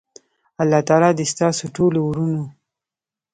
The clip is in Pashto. الله تعالی دی ستاسی ټولو ورونو